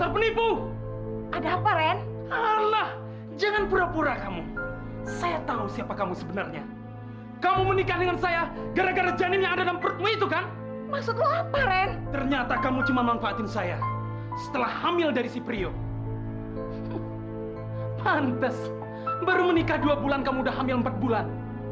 pantes baru menikah dua bulan kamu udah hamil empat bulan